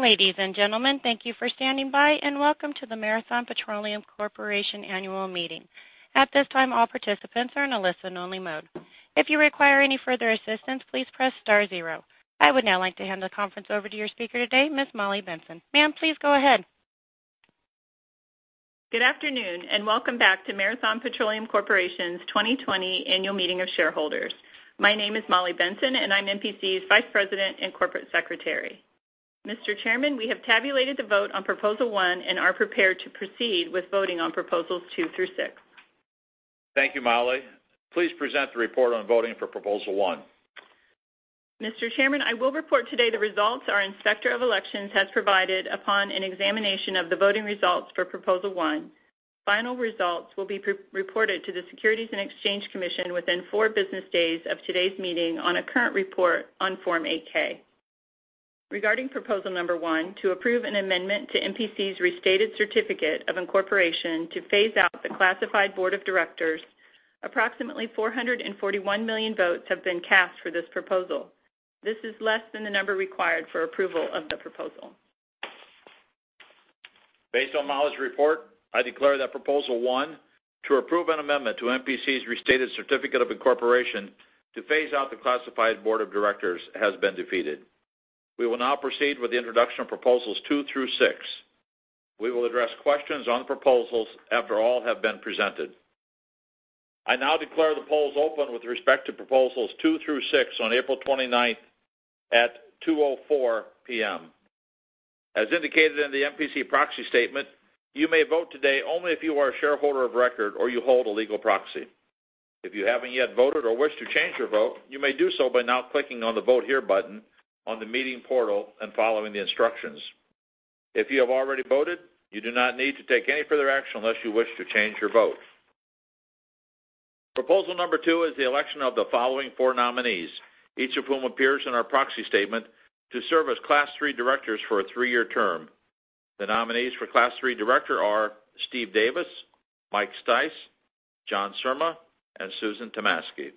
Ladies and gentlemen, thank you for standing by, and welcome to the Marathon Petroleum Corporation Annual Meeting. At this time, all participants are in a listen only mode. If you require any further assistance, please press star zero. I would now like to hand the conference over to your speaker today, Ms. Molly Benson. Ma'am, please go ahead. Good afternoon. Welcome back to Marathon Petroleum Corporation's 2020 annual meeting of shareholders. My name is Molly Benson. I'm MPC's Vice President and Corporate Secretary. Mr. Chairman, we have tabulated the vote on Proposal one and are prepared to proceed with voting on Proposals two through six. Thank you, Molly. Please present the report on voting for Proposal one. Mr. Chairman, I will report today the results our Inspector of Elections has provided upon an examination of the voting results for Proposal one. Final results will be reported to the Securities and Exchange Commission within four business days of today's meeting on a current report on Form 8-K. Regarding Proposal number one, to approve an amendment to MPC's restated certificate of incorporation to phase out the classified board of directors, approximately 441 million votes have been cast for this proposal. This is less than the number required for approval of the proposal. Based on Molly's report, I declare that Proposal one, to approve an amendment to MPC's restated certificate of incorporation to phase out the classified board of directors, has been defeated. We will now proceed with the introduction of proposals two through six. We will address questions on proposals after all have been presented. I now declare the polls open with respect to proposals two through six on April 29th at 2:04 P.M. As indicated in the MPC proxy statement, you may vote today only if you are a shareholder of record or you hold a legal proxy. If you haven't yet voted or wish to change your vote, you may do so by now clicking on the Vote Here button on the meeting portal and following the instructions. If you have already voted, you do not need to take any further action unless you wish to change your vote. Proposal number two is the election of the following four nominees, each of whom appears in our proxy statement to serve as Class III directors for a three-year term. The nominees for Class III director are Steve Davis, Mike Stice, John Surma, and Susan Tomasky.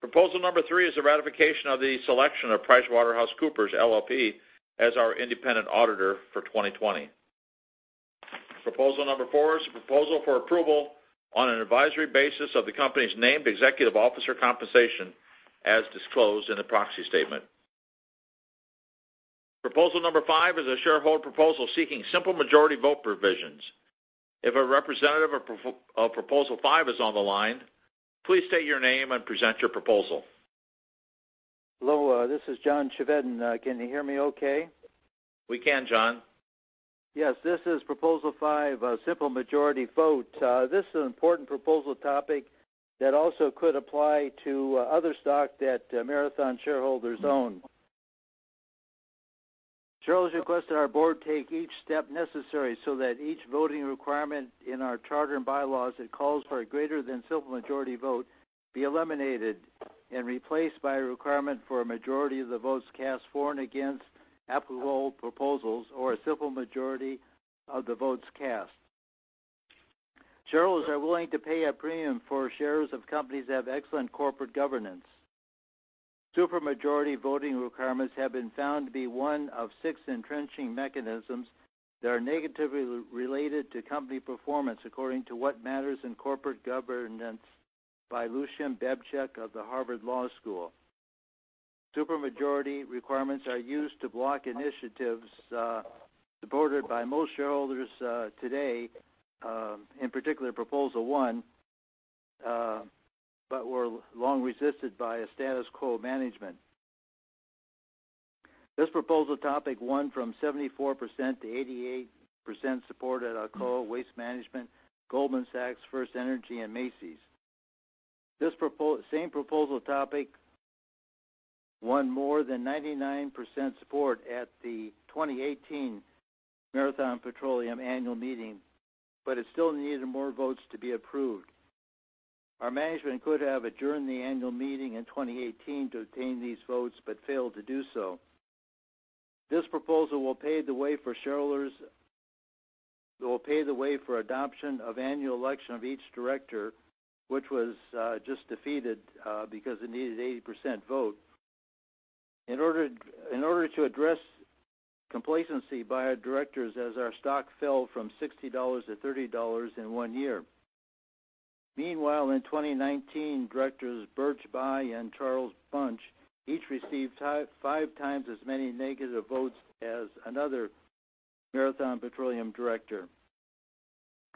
Proposal number three is the ratification of the selection of PricewaterhouseCoopers LLP as our independent auditor for 2020. Proposal number four is a proposal for approval on an advisory basis of the company's named executive officer compensation as disclosed in the proxy statement. Proposal number five is a shareholder proposal seeking simple majority vote provisions. If a representative of Proposal five is on the line, please state your name and present your proposal. Hello, this is John Chevedden. Can you hear me okay? We can, John. Yes. This is Proposal five, simple majority vote. This is an important proposal topic that also could apply to other stock that Marathon shareholders own. Shareholders requested our board take each step necessary so that each voting requirement in our charter and bylaws that calls for a greater than simple majority vote be eliminated and replaced by a requirement for a majority of the votes cast for and against applicable proposals or a simple majority of the votes cast. Shareholders are willing to pay a premium for shares of companies that have excellent corporate governance. Super majority voting requirements have been found to be one of six entrenching mechanisms that are negatively related to company performance, according to What Matters in Corporate Governance by Lucian Bebchuk of the Harvard Law School. Super majority requirements are used to block initiatives supported by most shareholders today, in particular, Proposal one, but were long resisted by a status quo management. This proposal topic won from 74%-88% support at Alcoa, Waste Management, Goldman Sachs, FirstEnergy, and Macy's. This same proposal topic won more than 99% support at the 2018 Marathon Petroleum annual meeting, but it still needed more votes to be approved. Our management could have adjourned the annual meeting in 2018 to obtain these votes, but failed to do so. This proposal will pave the way for shareholders. It will pave the way for adoption of annual election of each director, which was just defeated because it needed 80% vote in order to address complacency by our directors as our stock fell from $60-$30 in one year. Meanwhile, in 2019, directors Evan Bayh and Charles Bunch each received five times as many negative votes as another Marathon Petroleum director.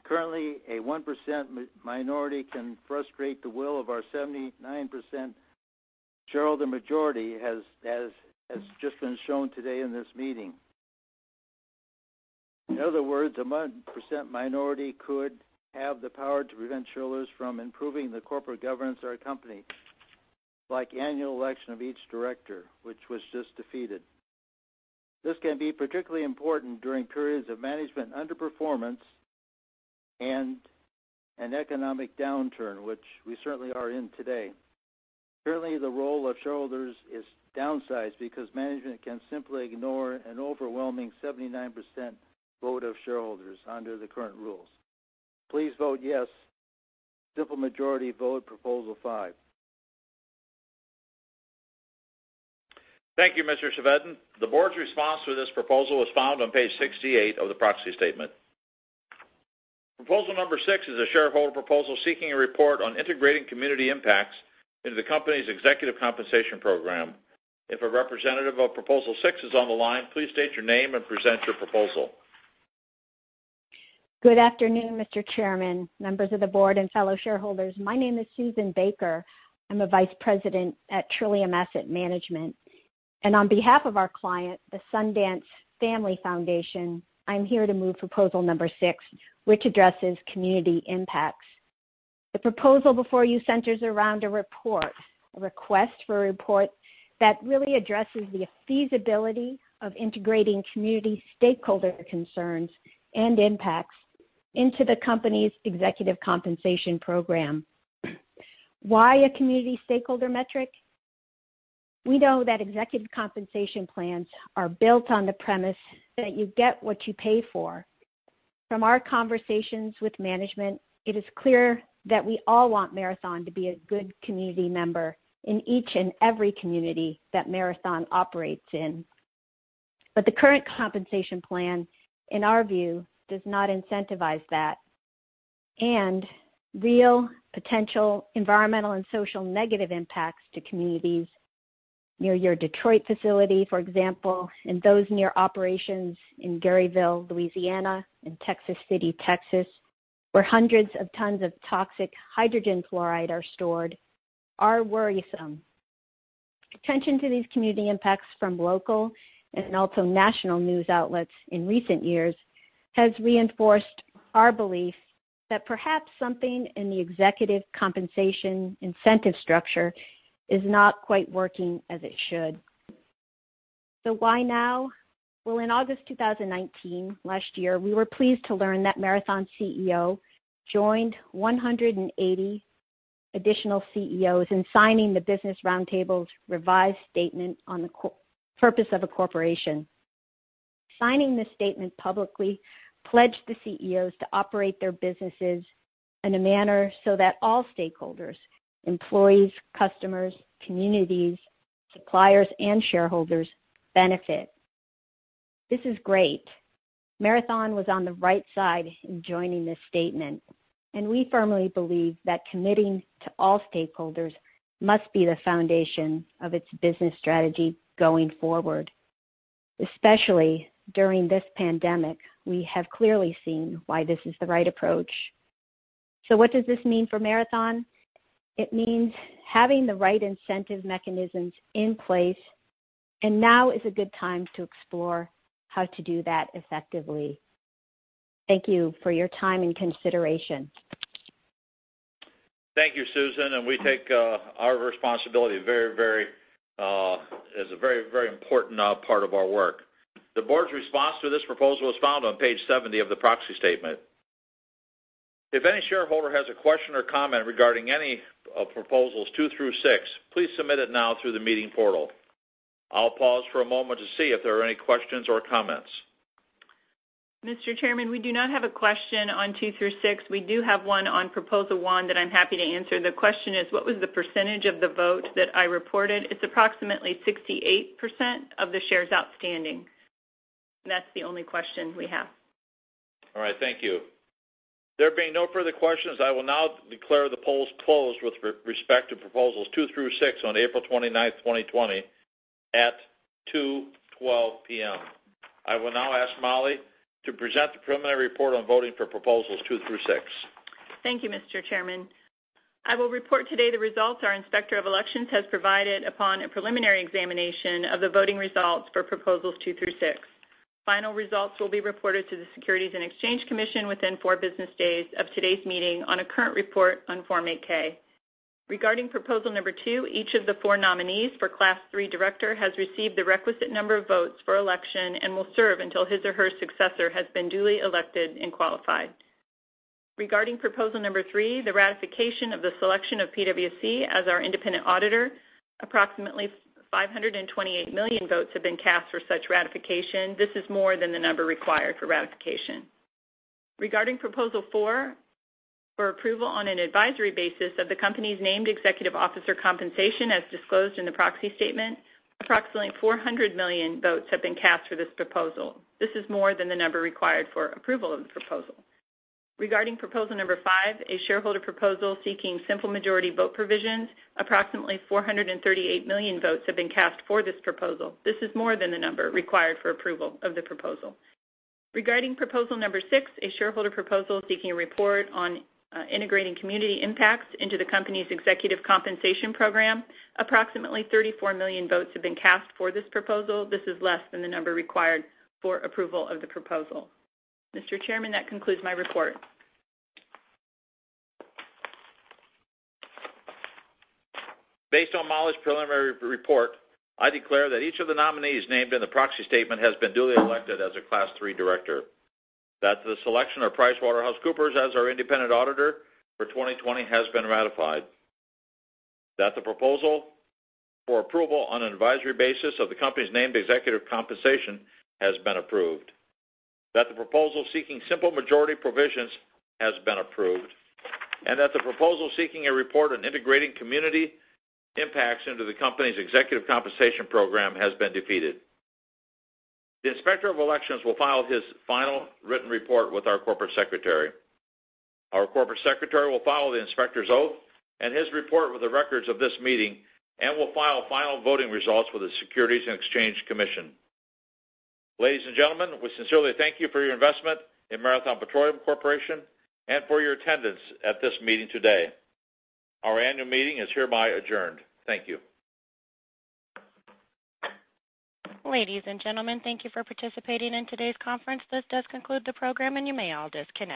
Currently, a 1% minority can frustrate the will of our 79% shareholder majority, as just been shown today in this meeting. In other words, a 1% minority could have the power to prevent shareholders from improving the corporate governance of our company, like annual election of each director, which was just defeated. This can be particularly important during periods of management underperformance and an economic downturn, which we certainly are in today. Currently, the role of shareholders is downsized because management can simply ignore an overwhelming 79% vote of shareholders under the current rules. Please vote yes. Simple majority vote Proposal five. Thank you, Mr. Chevedden. The board's response to this proposal is found on page 68 of the proxy statement. Proposal number six is a shareholder proposal seeking a report on integrating community impacts into the company's executive compensation program. If a representative of Proposal six is on the line, please state your name and present your proposal. Good afternoon, Mr. Chairman, members of the board, and fellow shareholders. My name is Susan Baker. I'm a vice president at Trillium Asset Management. On behalf of our client, the Sundance Family Foundation, I'm here to move Proposal number six, which addresses community impacts. The proposal before you centers around a request for a report that really addresses the feasibility of integrating community stakeholder concerns and impacts into the company's executive compensation program. Why a community stakeholder metric? We know that executive compensation plans are built on the premise that you get what you pay for. From our conversations with management, it is clear that we all want Marathon to be a good community member in each and every community that Marathon operates in. The current compensation plan, in our view, does not incentivize that, and real potential environmental and social negative impacts to communities, near your Detroit facility, for example, and those near operations in Garyville, Louisiana, and Texas City, Texas, where hundreds of tons of toxic hydrogen fluoride are stored, are worrisome. Attention to these community impacts from local and also national news outlets in recent years has reinforced our belief that perhaps something in the executive compensation incentive structure is not quite working as it should. Why now? Well, in August 2019, last year, we were pleased to learn that Marathon's CEO joined 180 additional CEOs in signing the Business Roundtable's revised statement on the purpose of a corporation. Signing this statement publicly pledged the CEOs to operate their businesses in a manner so that all stakeholders, employees, customers, communities, suppliers, and shareholders benefit. This is great. Marathon was on the right side in joining this statement. We firmly believe that committing to all stakeholders must be the foundation of its business strategy going forward. Especially during this pandemic, we have clearly seen why this is the right approach. What does this mean for Marathon? It means having the right incentive mechanisms in place. Now is a good time to explore how to do that effectively. Thank you for your time and consideration. Thank you, Susan, and we take our responsibility as a very important part of our work. The board's response to this proposal is found on page 70 of the proxy statement. If any shareholder has a question or comment regarding any of Proposals two through six, please submit it now through the meeting portal. I'll pause for a moment to see if there are any questions or comments. Mr. Chairman, we do not have a question on two through six. We do have one on Proposal one that I'm happy to answer. The question is, what was the percentage of the vote that I reported? It's approximately 68% of the shares outstanding. That's the only question we have. All right, thank you. There being no further questions, I will now declare the polls closed with respect to Proposals two through six on April 29th, 2020 at 2:12 P.M. I will now ask Molly to present the preliminary report on voting for Proposals two through six. Thank you, Mr. Chairman. I will report today the results our Inspector of Elections has provided upon a preliminary examination of the voting results for Proposals two through six. Final results will be reported to the Securities and Exchange Commission within four business days of today's meeting on a current report on Form 8-K. Regarding Proposal number two, each of the four nominees for Class III director has received the requisite number of votes for election and will serve until his or her successor has been duly elected and qualified. Regarding Proposal number three, the ratification of the selection of PwC as our independent auditor, approximately 528 million votes have been cast for such ratification. This is more than the number required for ratification. Regarding Proposal four, for approval on an advisory basis of the company's named executive officer compensation as disclosed in the proxy statement, approximately 400 million votes have been cast for this proposal. This is more than the number required for approval of the proposal. Regarding Proposal number five, a shareholder proposal seeking simple majority vote provisions, approximately 438 million votes have been cast for this proposal. This is more than the number required for approval of the proposal. Regarding Proposal number six, a shareholder proposal seeking a report on integrating community impacts into the company's executive compensation program, approximately 34 million votes have been cast for this proposal. This is less than the number required for approval of the proposal. Mr. Chairman, that concludes my report. Based on Molly's preliminary report, I declare that each of the nominees named in the proxy statement has been duly elected as a Class III director, that the selection of PricewaterhouseCoopers as our independent auditor for 2020 has been ratified, that the proposal for approval on an advisory basis of the company's named executive compensation has been approved, that the proposal seeking simple majority provisions has been approved, and that the proposal seeking a report on integrating community impacts into the company's executive compensation program has been defeated. The Inspector of Elections will file his final written report with our corporate secretary. Our corporate secretary will file the inspector's oath and his report with the records of this meeting and will file final voting results with the Securities and Exchange Commission. Ladies and gentlemen, we sincerely thank you for your investment in Marathon Petroleum Corporation and for your attendance at this meeting today. Our annual meeting is hereby adjourned. Thank you. Ladies and gentlemen, thank you for participating in today's conference. This does conclude the program, and you may all disconnect.